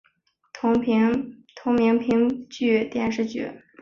同名评剧电视剧